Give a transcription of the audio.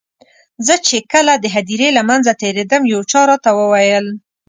زه چې کله د هدیرې له منځه تېرېدم یو چا راته وویل.